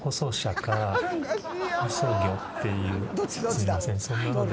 すいませんそんなので。